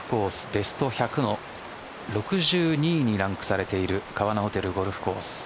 ベスト１００の６２位にランクされている川奈ホテルゴルフコース。